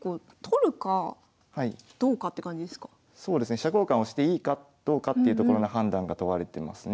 飛車交換をしていいかどうかっていうところの判断が問われてますね。